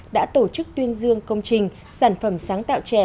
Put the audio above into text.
đã tổ chức tuyên dương công trình sản phẩm sáng tạo trẻ